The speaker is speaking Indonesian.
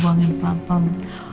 buang yang pelan pelan